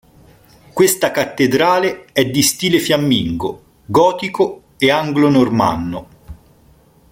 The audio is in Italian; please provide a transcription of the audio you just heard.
Questa cattedrale è di stile fiammingo, gotico e anglo-normanno.